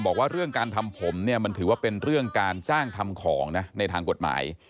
บอกว่าเรื่องการทำผมเนี่ยมันถือว่าเป็นเรื่องการจ้างทำของนะในทางกฎหมาย